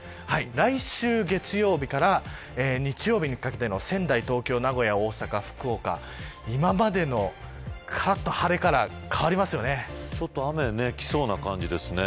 来週月曜日から日曜日にかけての仙台、東京、名古屋、大阪、福岡今までのからっと晴れからちょっと雨がきそうな感じですね。